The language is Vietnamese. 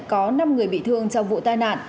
có năm người bị thương trong vụ tai nạn